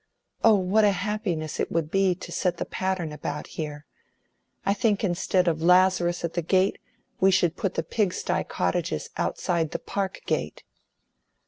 Oh what a happiness it would be to set the pattern about here! I think instead of Lazarus at the gate, we should put the pigsty cottages outside the park gate."